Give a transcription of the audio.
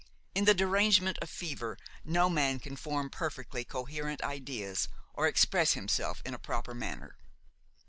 In the derangement of fever no man can form perfectly coherent ideas or express himself in a proper manner.